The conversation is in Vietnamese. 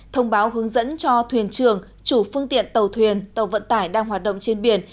thông báo hướng dẫn cho thuyền trường chủ phương tiện tàu thuyền tàu vận tải đang hoạt động trên biển